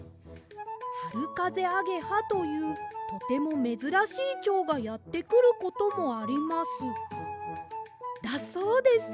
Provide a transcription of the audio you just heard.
『はるかぜアゲハ』というとてもめずらしいチョウがやってくることもあります」だそうです。